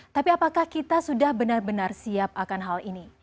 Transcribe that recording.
tapi apakah kita sudah benar benar siap akan hal ini